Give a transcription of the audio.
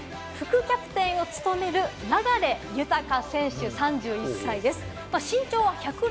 それがこちら、副キャプテンを務める流大選手、３１歳です。